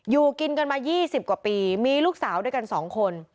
อยู่กินกันมา๒๐กว่าปีมีลูกสาวด้วยกัน๒คน